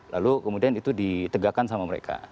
lalu kemudian itu ditegakkan sama mereka